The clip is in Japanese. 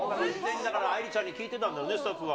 あいりちゃんに聞いてたんだよね、スタッフは。